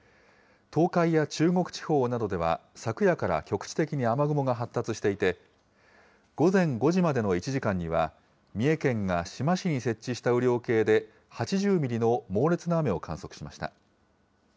東海や中国地方などでは、昨夜から局地的に雨雲が発達していて、午前５時までの１時間には、三重県が志摩市に設置した雨量計で８０ミリの猛烈な雨を観測しました。